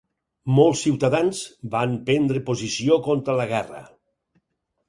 Molts ciutadans van prendre posició contra la guerra.